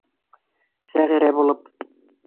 Сәғирә булып.